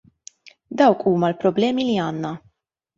Dawk huma l-problemi li għandna.